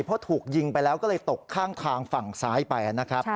เพราะถูกยิงไปแล้วก็เลยตกข้างทางฝั่งซ้ายไปนะครับ